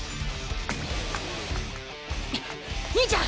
兄ちゃん